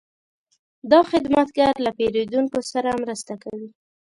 دا خدمتګر له پیرودونکو سره مرسته کوي.